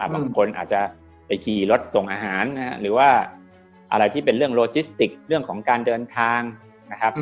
บางคนอาจจะไปขี่รถส่งอาหารหรือว่าอะไรที่เป็นเรื่องโลจิสติกเรื่องของการเดินทางนะครับ